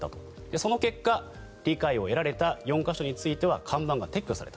その結果理解を得られた４か所については看板が撤去された。